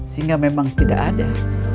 sehingga memang tidak ada